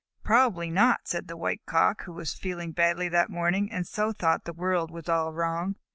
"Probably not," said the White Cock, who was feeling badly that morning, and so thought the world was all wrong.